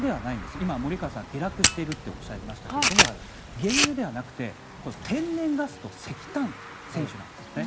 今、森川さん下落しているとおっしゃいましたが原油ではなくて天然ガスと石炭が選手なんですよね。